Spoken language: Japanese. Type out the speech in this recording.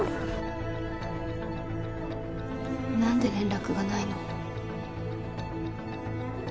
何で連絡がないの？